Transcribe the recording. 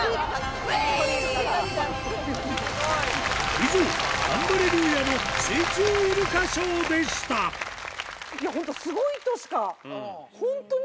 以上「ガンバレルーヤの水中イルカショー」でしたいや本当スゴいとしか本当に。